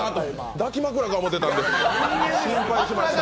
抱き枕かと思ってたんで心配しました。